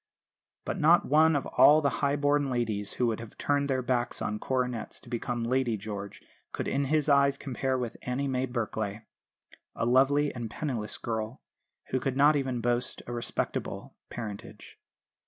But not one of all the high born ladies, who would have turned their backs on coronets to become "Lady George," could in his eyes compare with Annie May Berkelay, a lovely and penniless girl, who could not even boast a "respectable" parentage.